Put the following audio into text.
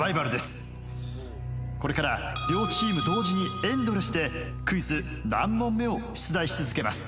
これから両チーム同時にエンドレスでクイズ何問目？を出題し続けます。